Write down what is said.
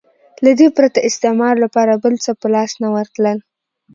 له دې پرته استعمار لپاره بل څه په لاس نه ورتلل.